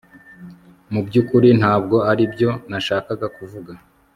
Mu byukuri ntabwo aribyo nashakaga kuvuga